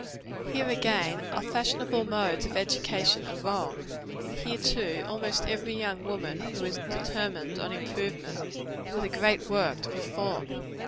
Here, again, our fashionable modes of education are wrong; and here, too, almost every young woman who is determined on improvement, has a great work to perform.